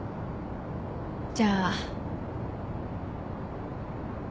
じゃあ。